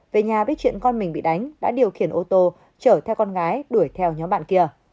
về nhà biết chuyện con mình bị đánh đã điều khiển ô tô chở theo con gái đuổi theo nhóm bạn kia